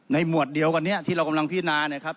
หมวดเดียวกันเนี่ยที่เรากำลังพินาเนี่ยครับ